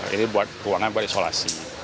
ini ruangan buat isolasi